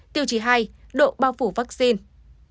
tiêu chí hai độ bao phủ vaccine